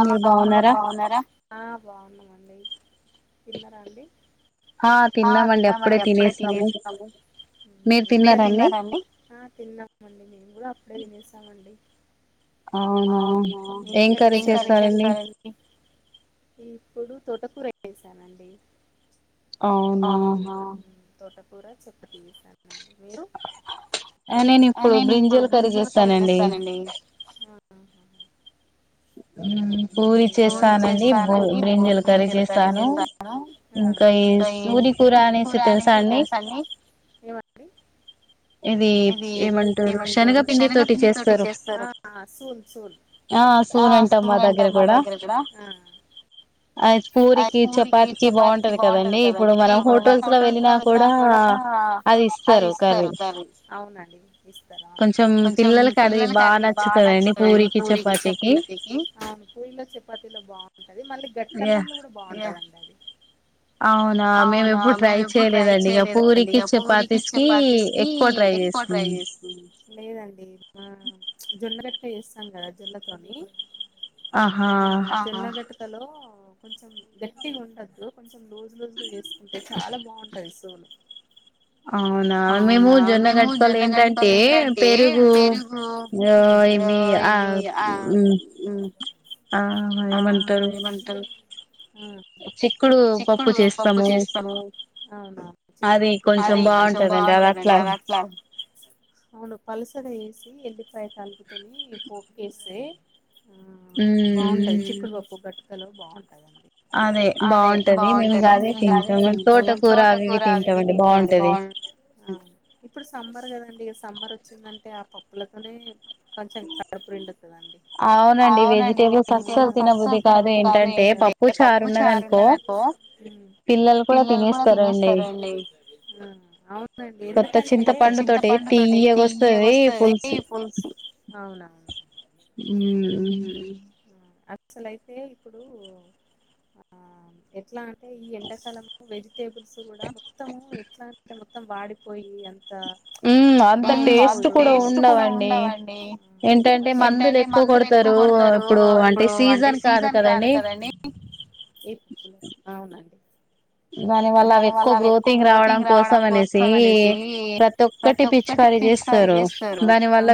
అవున మనీ ఇల్ బానార బాగున్నామండి తిన్నారా అండి ఆ తిన్నామండి అప్పుడే తినేస్తాము మీరు తిన్నారంండి తిన్నామండి మేము కూడా అప్పుడే తినేస్తామండి అవునా ఏంకార ఏం కరేజ్ చేస్తారండి ఇప్పుడు తోటకూరసానండి అవునా తోటకూర చపాతీ చేశాను నేను ఇప్పుడు బ్రింజలు కర్రీ చేస్తానండి ి పూరి చేస్తానండి బోింజెల కర్రీ చేస్తాను ఇంకా ఈ ఉూది కూూర అనే తెలుసా అండి అడి ఇది ఏమంటారు శనగపిండి తోటి చేస్తారు ఆ చూన అంటాం మా దగ్గర కూడా అది పూరికి చపాతికి బాగుంటది కదండి ఇప్పుడు మనం హోటల్స్ లో వెళ్ళినా కూడా అది ఇస్తారు కర్రీ అవునండి ఇస్తారా అవును కొంచెం పిల్లలకి అదివి బాగా నచ్చుతాందిండి పూరిీకి చెప్ప కి అవును కోయల చపాతీలో బాగు అది మళ్ళీ గట్కన్నంలో లో కూడా బాగుంటదండి అది అవునా మేము ఎప్పుడు ట్రై చేయలేదండి ఇక పూరికి చపాతీస్కి ఎక్కువ ట్రై చేస్తాం లేదండి జొన్న అస్ సంగ అ ఎ కానీ అ ఇలో కొంచెం గట్టిగా ఉండద్దు కొంచం రోజు రజుగా చేసుకుంటే చాలా బాగుంటాయి సోలు అవునా మేము జొన్న గట్టుకోల ఏంటంటే పెరుగు ఆ ఏమి ఆ ఆ ఆయిమంటారు చిక్కుడు పప్పు చేస్తాము అవునా చిక్కుడుపప్పు అది కొంచెం బాగుంటందండి అలా అట్లా అవును పలసర వేసి ఎల్లి ఫయ కలుపుతొని పో కేసు ఆ బాగుంటాది చిక్కురుపప్పు గట్టటు హలో బాగుంట అదే బాగుంటది మేము ఇంకా అదే తాము తోటకూర అవి ఇవి తామడి బాగు ఇప్పుడుబ కదండి సమ్మర్ వచ్చిందంటే ఆ పప్పులతోనే కొంచెం పరపురండ అవునండి వెజిటేబుల్స్ అస్సలు తినబద్దు కాదు ఏంటే పప్పు చారు ఉన్నదకో పిల్లలు కూడా తినేస్తారండి అవుం కొత్త చింత పండు తోటి తీయ వస్తంది పులుసు అవు ఉ అసలుైతే ఇప్పుడు ఎట్లా అంటే ఈ ఎండాకాలం వెజిటేబుల్స్ కూడా మొత్తము ఎట్లా మొత్తం వాడిపోయి అంత ఉ అంత టేస్ట్ కూడా ఉండవండి ఏంటంటే మందులు ఎక్కువ కొడతారు ఇప్పుడు అంటే సీజన్ కాదు కదండీ అవును దాని వల్ల అవి ఎక్కువ గ్రోతింగ్ రావడం కోసం అనేసి ప్రతి ఒక్కటి పిచికారీ చేస్తారు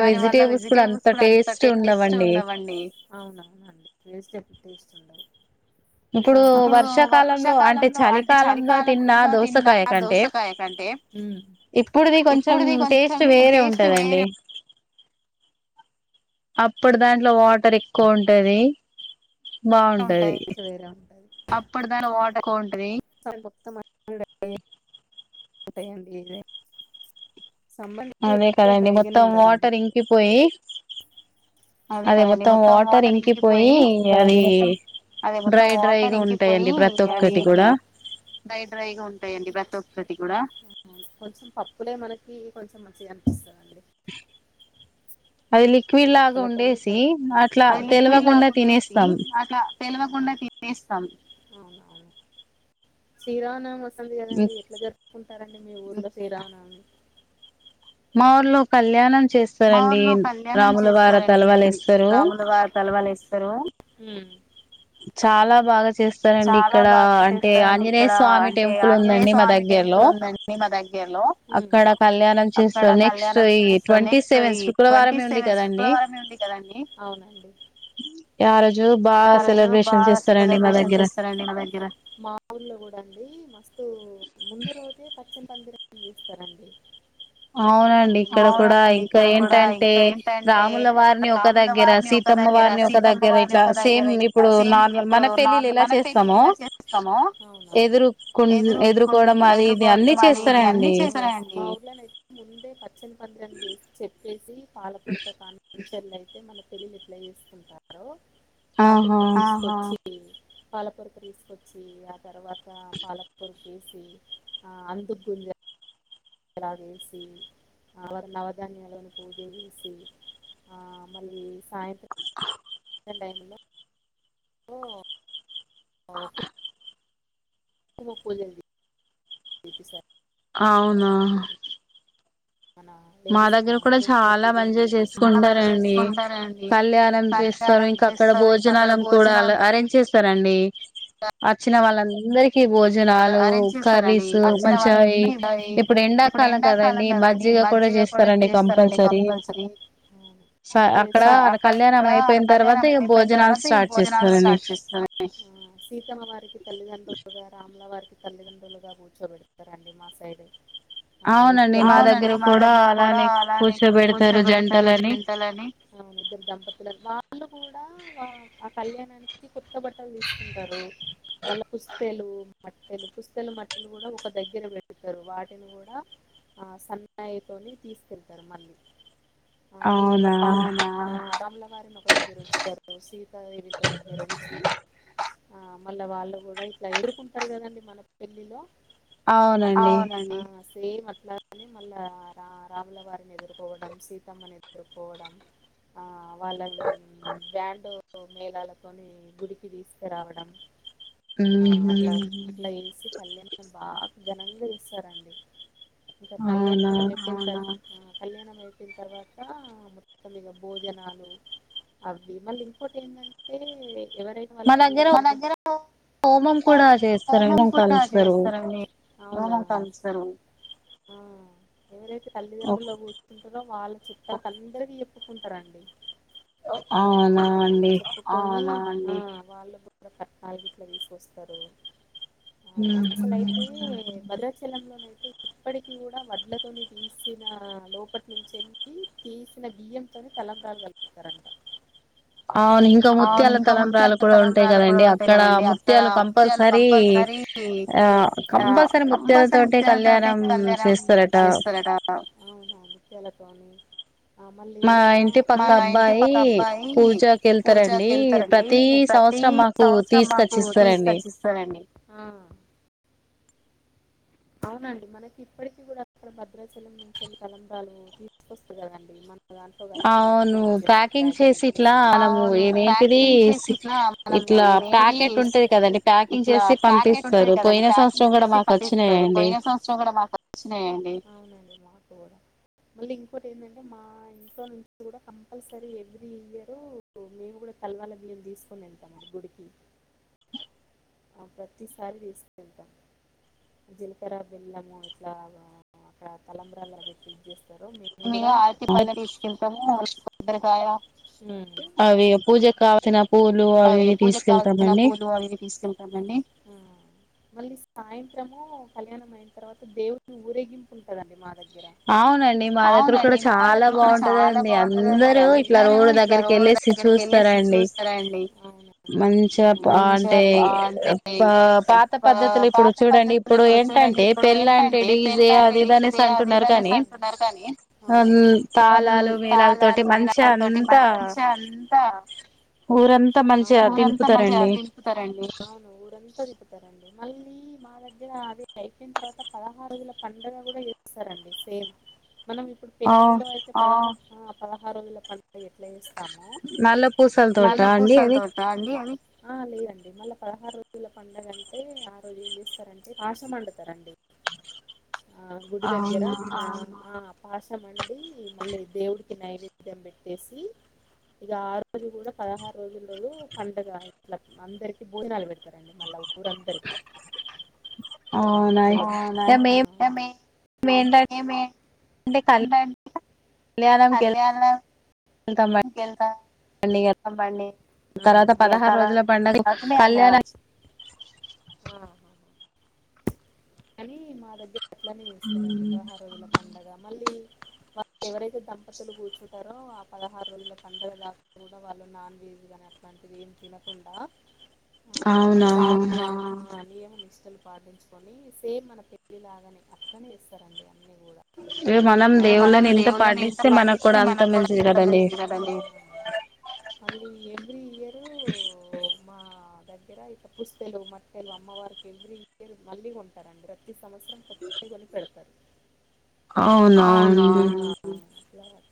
దాని వల్ల వెజిటేబుల్స్ కూడా అంత టేస్ట్ ఉండవండి అవును టే ఇప్పుడు వర్షాకాలంలో అంటే చలికాలంలో తిన్నా దోసకాయ కంటే ఇప్పుడుది కొంచెం టేస్ట్ వేరే అప్పుడు దాంట్లో వాటర్ ఎక్కువ ఉంటది ఉంటాయి వేరే ఉంటుది అప్పుడు దానికి వాటర్ ఎక్కువ ఉంటది మొ ఉంటాయండి ఇదే అదే కదండి మొత్తం వాటర్ ఇంకిపోయి అదే కదండి మొత్తం వాటర్ ఇంకిపోయి అదే మొత్తం వాటర్ ఇంకిపోయి అది డ్రై డ్రైగా ఉంటాయండి ఇక్కటి కూడా కొంచెం పప్పులే మనకి కొంచెం మంచిగా అనిపిస్తుందిండి పప్పులతోనే క అది లిక్విడ్ లాగా ఉండేసి అట్లా తెలవకుండా తినే స్తం అవునవును శ్రీరామ నవమి సంది కదండి ఎట్లా జరుపుకుంటార అండి మీ ఊరిలో శ్రీరామ నవమి మా ఊర్లో కళ్యాణం మా ఊర్లో కళ్యాణం చేస్తారండి రాములువారు తలవాలు వేస్తారు. హు చాలా బాగా హు అవునండి యా రోజ్ జు బాగా స్ మా ఊర్లో కూడా అన్ అండి మస్తు ముందు రోజే పచ్చని పందిర చేస్తారండి అవునా ముందే పచ్చని పందిరన్ చేసి చెప్పేసి పాలకూరతో కానీ పించలై అయితే మన పెళ్లిళ్లు ఎట్ల చేసుకుంటారో పాతూరుకు వోయి తీసుకొచ్చి పాలకూరకు తీసుకొచ్చి ఆ తర్వాత పాలకూర వేసి చేసి అందు గుంజ అలా వేసి ఆ వారు నవధాన్యాలను పూజ చేసి ఆ మళ్ళీ సాయంత్రం, గని టైం ములో ఓ ఓహో [unintelligible] అవునా అనా డేర కుంకుమ పూజలు చేపి చాలా మంది చేసుకుంటారండి కళ్యాణం చేస్తారు ఇంకా అక్కడ భోజనం సరండి వచ్చిన వాళ్ళందర్ భోజనాలు కర్రీస్ మంచియి ఇప్పుడు ఎండాకాలం కదండి మజ్జిగా మజ్జిగా కూడా చేస్తారండి కంపల్సరీ, అంటే అక్కడ కళ్యాణం అయిపోయిన తర్వాత ఇగ భోజనాలు స్టార్ట్ చేస్ ఇల్ల వారికి తల్లిదండ్రులుగా కూర్చోబెడతారండి మా సైడ్ అవునండి మాధ్ కూడాడా అలానే పూజ బడతారు జంటలని వాళ్ళు కూడా ఆ కళ్యాణానికి కొత్త బట్టలు తీసుకుంటారు మళ్ళా పుస్తేలు మట్టెలు పుస్తేలుమట్టెలు కూడా ఒక దగ్గర పెడతారు వాటిని కూడా ఆ సన్నాయతోని తీసుకెళ్తారు మళ్ళీ అవునా వారిని ఒక దగ్గర ఉంచారు సీతాదేవి ఒక దగ్గర ఉంచి ఆ మళ్ళా వాళ్ళు కూడా ఇట్లా ఎదుర్కొం కదండి మన పెళ్ళిలో అవునండి అలాని మళ్ళా రా రాముల వారిని ఎదుర్కోవడం సీతమ్మని ఎదుర్కోవడం ఆ వాళ్ [unintelligible] బ్యాండు మేళాలతోని గుడికి తీసుకురావడం ఉహు అ ఇట్లా ఏసి పళ్యంలో బా ఘనంగా ఇస్తారండి ఇకా కళ్యాణ కళ్యాణం అయిపోయిన తర్వాత మొత్తం ఇక భోజనాలు అవి మళ్ళీ ఇంకోటి ఏంటంటే ఎవరైనా వాళ్ళకి తల్ దగ్గ కూడా చేస్తారుం కలుస్తారు అ రనంతమస్కారం ఆహ ఎవరైతే తల్లిదండ్రులు కూర్చుంటారో వాళ్ళు చుట్టాలు అందరిది ఎప్పుకుంటారా అండి అవునా అండి వాళ్ళు కూడా కట్టాల గట్లా తీసుకొస్తారు తరుో హ చలంలోనైతే ఇప్పటికి కూడా వడ్లతోని తీసిన లోపట్ నుంచి వెళ్ళి తీసిన బియ్యంతోని తెలం రాగలుగుతారంట అవును ఇంకా ముత్యాల తలంబరాలు కూడా ఉంటాయి కదండీ అక్కడ ముత్యలు కం ముత్యాలు కంపల్సరీ ఆ కంపల్సరీ ముత్యాల తో కళ్యాణ చేస్తారటవు వెలకని మా ఇంటి పక్క అబ్బాయి పూజాకి వెళ్తారండి ప్రతి సంవత్సరం మాకు తీసుకొచ్చిస్తారండి చూస్తనండి అవునండి మనకి ఇప్పటికిీ కూడా అక్కడ భద్రాచలం నుంచి వెళ్ళ కలంబ్రాలు తీసుకొస్త కదండి మన దాంట్లో కలిపి మన కూడా ఇచ్చేరు ప్యాకింగ్ చే అవును ప్యాకింగ్ చేసి ఇట్లా మనం ఏది ఇట్లా ప్యాకెట్ ఉంటది కదండి ప్యాకింగ్ చేసి పటిస్తారు పోయిన సంవత్సరం కూడా మాకు వచ్చినాయండివు మాకు కూడా మళ్ళీ ఇంకోటి ఏంటంటే మా ఇంట్లో నుంచి కూడా కంపల్సరీ ఎవ్రీ ఇయరు మేము కూడా తెలవాల బియ్యం తీసుకొని వెంటామట గుడికి ఆ ప్రతిసారి తీసుకుెళ్తాం ఇక్కర బిల్లము ఇట్లా అక్కడ తలంబరాల అ పెట్టి పేస్తారు మీగా ఆరతి పళ్ల తీసుకుంటాము వ బబరకాయ అవి పూజ కాల్సిన పూలు అవివి తీసుకెళ్తామండి ఆ మళ్ళీ సాయంత్రము కళ్యాణం అయిన తవాత దేవుని ఊరేగింపు ఉంటద అడి మా దగ్గర అవునండి మా దగ్గర కూడా చాలా బాగుంటదండి అందరూ ఇట్లా రోడ్డు దగ్గరికి వెళ్ళేసి చూస్తారండి మంచిగా అంటే పాత పద్ధతులు ఇప్పుడు చూడండి ఇప్పుడు ఏ అంటే పెళ్ళ అంటే డజే అదేదనే సంట నే అంటున్నారు కానీవు తళాలు నీలాల తోటి మంచిగా అంతా ఊరంతా మంచిగా తింపుతారండి అవును ఊరంతా తిపుతారు మళ్ళీ మా దగ్గర అదే అయిపోయిన తర్వాత పదహారుజుల పండుగ కూడా ఇస్తారండి సేమ్ మనం ఇప్పుడు పెళ్ళిలో అయితే ఆహారం ఇలా ప ఎట్లా ఇస్తాము నల పూసల తోట అండి అ ఆ లేదం మళ్ళ పదహారు రోజుల పండగ అంటే ఆరు రోజు ఏం చేస్తారంటే మండుతారండి ఆ గుడి దగ్గర ఆ పాసమండి మల్ల దేవుడికి నైవేద్యం పెట్టేసి ఇక ఆ రోజు కూడా పదహారు రోజుల్లో పండగ ఇట్లా అందరికి భోజనాలు పెడతారండి మళ్ళా ఊరందరిక ఆ అవునా ఇంగ ఎమ్మె వేంట అంటే కల్ అన్నయ్యా అనే ఇంతంగా ఇయ్యలేర్ బండి ఆ అతను అదికావచ్చు ఆ అని మా దగ్గర్ అట్లనే చేస్తారు అండి పదహారు రోజుల పండగ మళ్ళీ వాళ్ళ ఎవరైతే దంపతులు కూర్చుంటారో, ఆ పదహారు రోజుల పండగల దాకా కూడా వాళ్ళు నాన్ వెజ్ అని అట్లాంటివి ఏం తినకుండా, అవునా నియమ నిష్టలు పాటించుకొని సేమ్ మన పెళ్ళిలాగానే అట్లనే చేస్తారండి ఇగ మనం దేవుళ్ళని ఎంత పాటిస్తే మనకు కూడా అంత మంచిది కదండి అది ఎవ్రీ ఇయర్ [unintelligible] మా దగ్గర ఇక పుస్తెలు మట్టెలు అమ్మవారికి ఎవరీ ఇయర్ మళ్ళి ఉంట రండి ప్రతి సంవత్సరం కొత్త కొలు పెడతారు అవునా అండి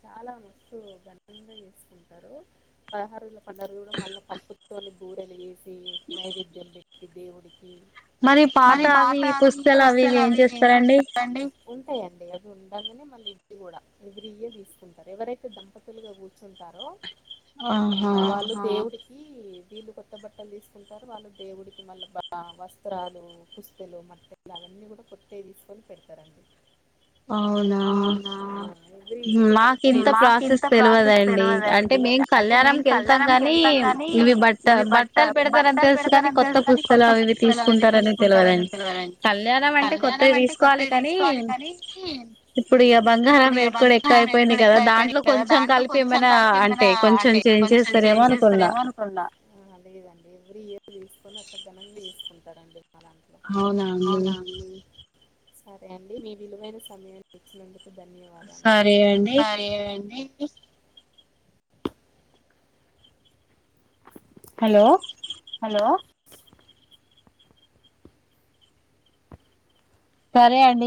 చాలా మస్తు ఘనంగా చేసుకుంటరు పదహారు పన్నరు మళ్ పత్ తో బూరలి చేసి నైవేద్యం పెట్టి దేవుడికి మరి పాత అవి అవి పుస్తెలు అవి ఇవి ఏం చేస్తారండి ఉంటాయండి. అది ఉండంగనే మళ్ళీ ఇదీ కూడా ఎవ్రీ ఇయర్ తీసుకుంటారు. ఎవరైతే దంపతులుగా కూర్చుంటారో ఆ వాళ్ళు [unintelligible] ఈ వీళ్లు కొత్త బట్టలు తీసుకుంటారు వాళ్ళు దేవుడికి మళ్ళా బ వస్త్రాలు పుస్ బట్టలు మట్టెలు అవన్నీ కూడా కొత్తయి తీసుకొని పెడతరండి అవునా మాకు ఇంత ప్రాసెస్ తెలవదండి అంటే మేం కళ్యాణంకి వెళ్తాం కానీ ఇవి బట్ట బట్టలు పెడతారని తెలుసు కాని కొత్త పుస్తలు అవి ఇవి తీసుకుంటారని తెలవదండి [unintelligible] కళ్యాణం అంటే కొత్తవి తీసుకోవాలి కానీ ఇప్పుడు ఇవన్ ఆ పేట్టుకొని ఎక్కువ అయిపోయినాయి కదా దాంట్లో కొంచెం కలిపి ఏమైనా అంటే కొంచెం చేంజ్ చేస్తరేమో అనుకున్నా తీసుకున్న కొంత మంది తీసుకుంటారండి అలా అవునా అండి సరే అండి మీ విలువైన సమయం నడి ధన్యవాదాలండి సండి ఎ హలో సరే అండి